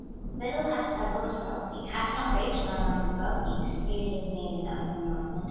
Little hast thou looked about thee, Hast not raised thine eyes above thee, Beauteous maiden of the Northland.